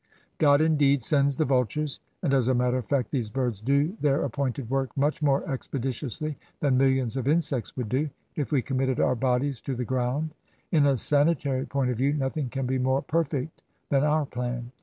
God, indeed, sends the vul tures, and, as a matter of fact, these birds do their ap pointed work much more expeditiously than millions of insects would do, if we committed our bodies to the ground. In a sanitary point of view nothing can be more perfect than our plan.